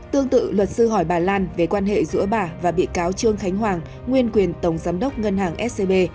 tương tự luật sư hỏi bà lan về quan hệ giữa bà và bị cáo trương khánh hoàng nguyên quyền tổng giám đốc ngân hàng scb